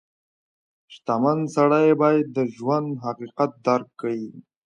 • شتمن سړی باید د ژوند حقیقت درک کړي.